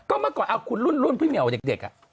เมื่อก่อนเอาคุณรุ่นพี่เหมียวเด็ก